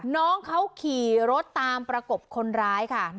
น้องเขาขี่รถตามประกบคนร้ายค่ะ